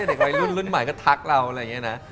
เด็กวัยรุ่นรุ่นใหม่ก็ทักเราอะไรอย่างนี้นะ